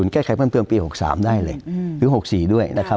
แก้ไขเพิ่มเติมปี๖๓ได้เลยหรือ๖๔ด้วยนะครับ